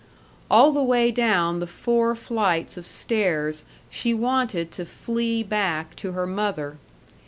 All the way down the four flights of stairs she wanted to flee back to her mother.